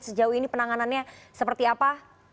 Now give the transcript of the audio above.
sejauh ini penanganannya seperti apa